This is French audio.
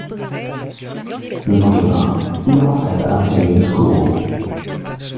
Le lendemain, ils rentraient à Antilian School.